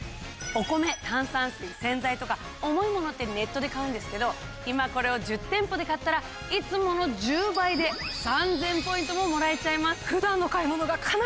お米炭酸水洗剤とか重いものってネットで買うんですけど今これを１０店舗で買ったらいつもの１０倍で３，０００ポイントももらえちゃいます。